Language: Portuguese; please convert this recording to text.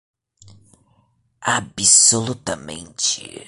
Absolutamente